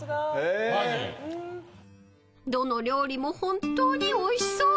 どの料理も本当においしそう。